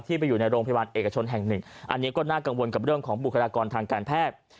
ไปอยู่ในโรงพยาบาลเอกชนแห่งหนึ่งอันนี้ก็น่ากังวลกับเรื่องของบุคลากรทางการแพทย์